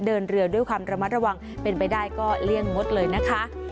เดินเรือด้วยความระมัดระวังเป็นไปได้ก็เลี่ยงงดเลยนะคะ